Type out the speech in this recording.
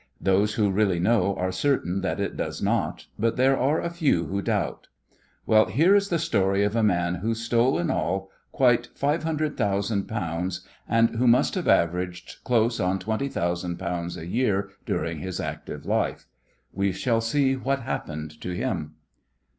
Those who really know are certain that it does not, but there are a few who doubt. Well, here is the story of a man who stole in all quite £500,000, and who must have averaged close on twenty thousand pounds a year during his active life. We shall see what happened to him.